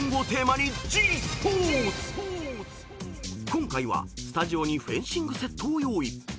［今回はスタジオにフェンシングセットを用意］